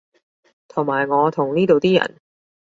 同埋我同呢度啲人